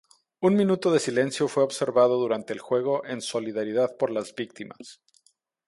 Un minuto de silencio fue observado durante el juego en solidaridad por las víctimas.